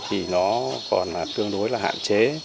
thì nó còn là tương đối là hạn chế